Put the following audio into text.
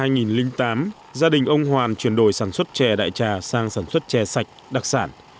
năm hai nghìn tám gia đình ông hoàn chuyển đổi sản xuất chè đại trà sang sản xuất chè sạch đặc sản